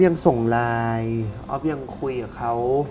ยังส่งไลน์ออฟยังคุยกับเขา